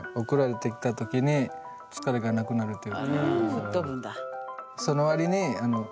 ふっ飛ぶんだ。